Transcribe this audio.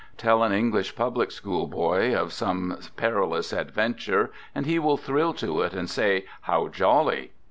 Tell an Eng lish public school boy of some perilous adventure and he will thrill to it and say, " How jolly!